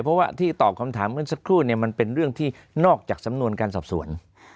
เพราะว่าที่ตอบคำถามเมื่อสักครู่เนี่ยมันเป็นเรื่องที่นอกจากสำนวนการสอบสวน